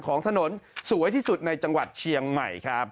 ของถนนสวยที่สุดในจังหวัดเชียงใหม่ครับ